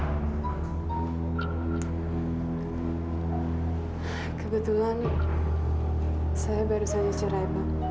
kebetulan saya baru saja cerai pak